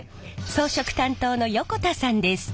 装飾担当の横田さんです。